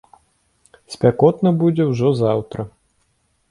Спякотна будзе ўжо заўтра.